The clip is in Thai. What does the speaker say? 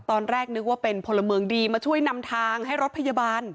ตอนแรกนึกว่าเป็นพลเมืองดีมาช่วยนำทางให้รถพยาบาล